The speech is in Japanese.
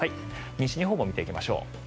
西日本も見ていきましょう。